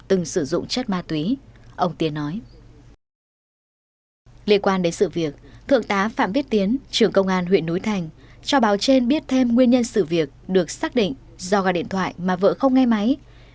từng sử dụng chất ma túy